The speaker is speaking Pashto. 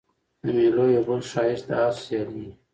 د مېلو یو بل ښایست د آسو سیالي يي.